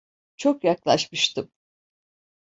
Çok yaklaşmıştım.